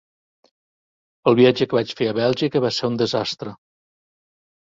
El viatge que vaig fer a Bèlgica va ser un desastre.